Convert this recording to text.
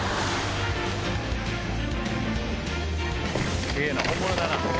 すげぇな本物だな。